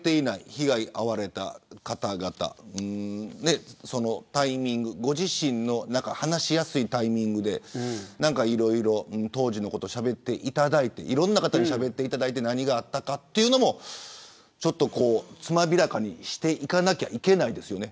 被害に遭われた方々ご自身の話しやすいタイミングでいろいろ当時のことをしゃべっていただいていろんな方にしゃべっていただいて何があったかというのもつまびらかにしていかなきゃいけないですよね。